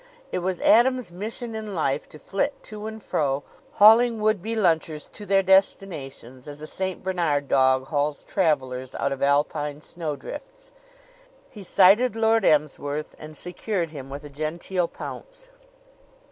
It was Adams' mission in life to flit to and fro, hauling would be lunchers to their destinations, as a St. Bernard dog hauls travelers out of Alpine snowdrifts. He sighted Lord Emsworth and secured him with a genteel pounce.